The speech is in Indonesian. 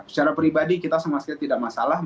secara pribadi kita sama sekali tidak masalah